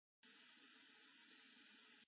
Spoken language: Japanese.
猫が鳴いている